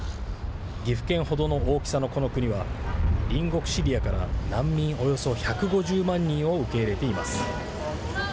岐阜県ほどの大きさのこの国は、隣国シリアから難民およそ１５０万人を受け入れています。